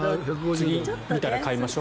次、見たら買いましょう。